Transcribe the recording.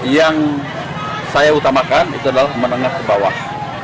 yang saya utamakan itu adalah menengah ke bawah